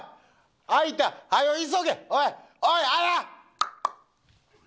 開いた早急げおいおいアヤ！